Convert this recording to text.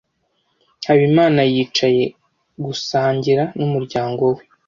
Habimana yicaye gusangira n'umuryango we.